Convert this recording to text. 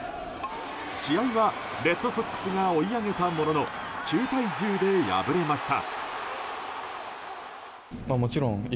試合はレッドソックスが追い上げたものの９対１０で敗れました。